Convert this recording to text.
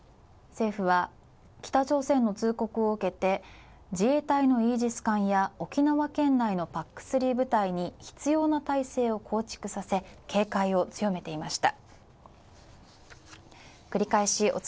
政府は自衛隊のイージス艦や沖縄県内のＰＡＣ−３部隊に必要な態勢を構築させ警戒を強めていました。